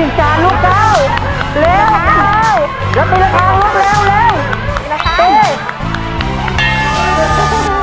ดินจรรย์ลูกแล้วเร็วแล้วไปแล้วเร็วเร็ว